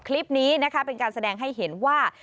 คลิปนี้นะคะเป็นการแสดงให้เห็นว่า